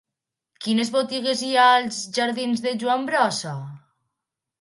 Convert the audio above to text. Quines botigues hi ha als jardins de Joan Brossa?